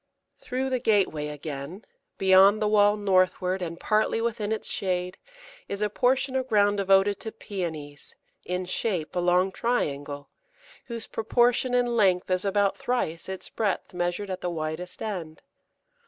Through the gateway again, beyond the wall northward and partly within its shade, is a portion of ground devoted to Pæonies, in shape a long triangle, whose proportion in length is about thrice its breadth measured at the widest end.